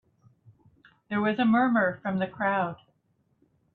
There was a murmur from the crowd.